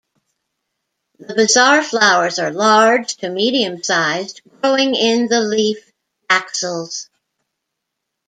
The bizarre flowers are large to medium-sized, growing in the leaf axils.